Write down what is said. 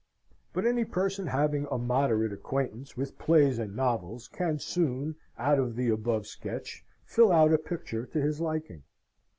But any person having a moderate acquaintance with plays and novels can soon, out of the above sketch, fill out a picture to his liking.